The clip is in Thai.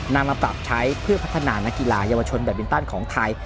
นำมาปรับใช้เพื่อพัฒนานักกีฬาเยาวชนแบบบินตันของไทย